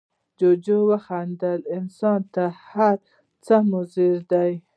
جوجو وخندل، انسان تر هر څه مضر دی.